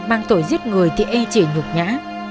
mang tội giết người thì ê chỉ nhục nhã